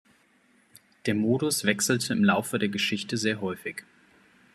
Der Modus wechselte im Laufe der Geschichte sehr häufig.